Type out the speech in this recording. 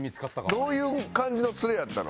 どういう感じのツレやったの？